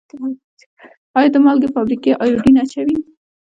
آیا د مالګې فابریکې ایوډین اچوي؟